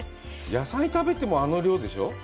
野菜を食べてもあの量でしょ？